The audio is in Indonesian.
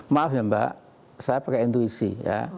maaf ya mbak saya pakai intuisi ya